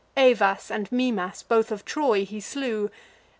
Evas and Mimas, both of Troy, he slew.